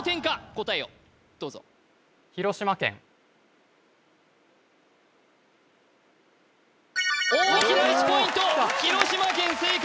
答えをどうぞ大きな１ポイント広島県正解